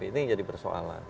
ini yang jadi persoalan